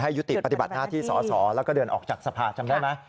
ยุติปฏิบัติหน้าที่สอสอแล้วก็เดินออกจากสภาจำได้ไหม